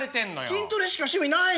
筋トレしか趣味ないの？